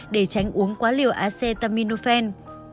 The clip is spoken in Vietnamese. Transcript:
để tránh uống quá liều acetaminophen